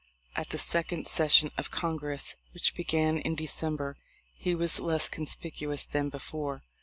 At the second session of Congress, which began in December, he was less conspicuous than before.